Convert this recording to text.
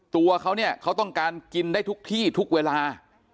ตัวเขาเนี่ยเขาต้องการกินได้ทุกที่ทุกเวลา